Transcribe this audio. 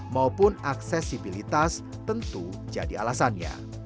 maupun aksesibilitas tentu jadi alasannya